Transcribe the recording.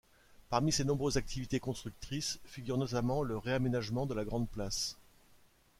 Parmi ses nombreuses activités constructrices figure notamment le réaménagement de la grande place.